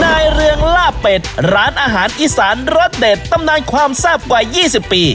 นายเรืองลาบเป็ดร้านอาหารอีสานรสเด็ดตำนานความแซ่บกว่า๒๐ปี